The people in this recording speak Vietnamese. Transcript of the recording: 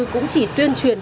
cũng chỉ tuyên truyền